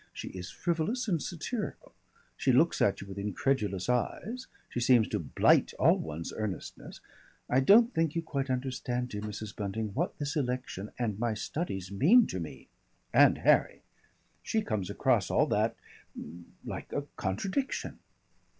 She is frivolous and satirical. She looks at you with incredulous eyes, she seems to blight all one's earnestness.... I don't think you quite understand, dear Mrs. Bunting, what this election and my studies mean to me and Harry. She comes across all that like a contradiction."